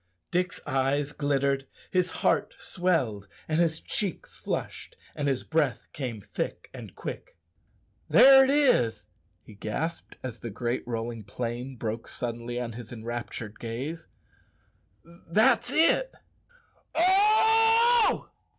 Dick's eyes glittered, and his heart swelled, and his cheeks flushed, and his breath came thick and quick. "There it is," he gasped, as the great rolling plain broke suddenly on his enraptured gaze; "that's it oh!